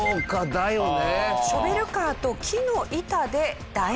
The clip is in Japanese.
だよね！